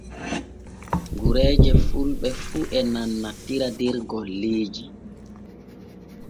Gureeje fulɓe fu e nannantira der golleeji.